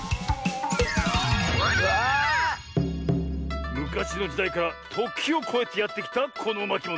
わあ！むかしのじだいからときをこえてやってきたこのまきもの。